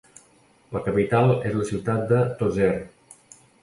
La capital és la ciutat de Tozeur.